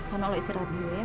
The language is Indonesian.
semoga allah istirahat dulu ya